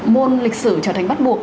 môn lịch sử trở thành bắt buộc